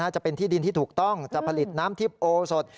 จะเป็นที่ดินที่ถูกต้องจะผลิตน้ำทิพย์โอสด